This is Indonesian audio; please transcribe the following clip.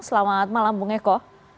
selamat malam bung eko